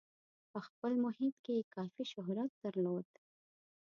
په خپل محیط کې یې کافي شهرت درلود.